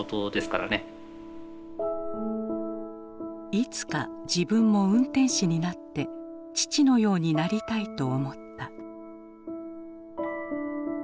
いつか自分も運転士になって父のようになりたいと思った。